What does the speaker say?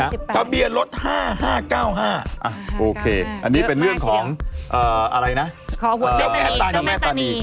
แยก๒๘น่ะกระเบียรถ๕๕๙๕โอเคอันนี้เป็นเรื่องของเอ่ออะไรนะเจ้าแม่ตานี